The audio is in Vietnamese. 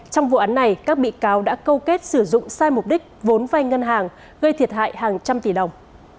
trong vụ án này các bị cáo đã câu kết sử dụng sai mục đích vốn vai ngân hàng gây thiệt hại hàng trăm tỷ đồng